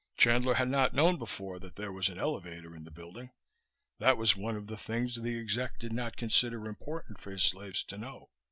Chandler had not known before that there was an elevator in the building. That was one of the things the exec did not consider important for his slaves to know.